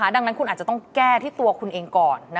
ดังนั้นคุณอาจจะต้องแก้ที่ตัวคุณเองก่อน